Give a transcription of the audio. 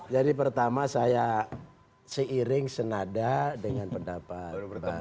jadi pertama saya seiring senada dengan pendapat